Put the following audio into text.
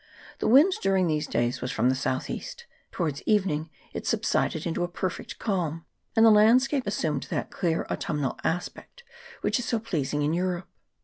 The wind during these days was from the south east; towards evening it subsided into a perfect calm, and the landscape assumed that clear autumnal aspect which is so pleasing in Europe.